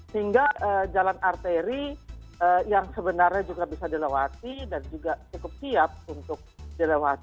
sehingga jalan arteri yang sebenarnya juga bisa dilewati dan juga cukup siap untuk dilewati